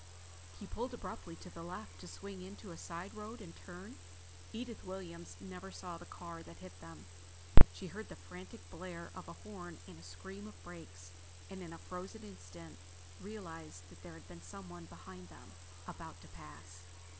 He pulled abruptly to the left to swing into a side road and turn. Edith Williams never saw the car that hit them. She heard the frantic blare of a horn and a scream of brakes, and in a frozen instant realized that there had been someone behind them, about to pass.